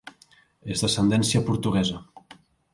És d'ascendència portuguesa.